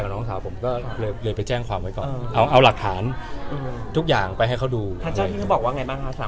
ก็มีไปแจ้งกับเขาไม่เปลือกเขาไหมว่า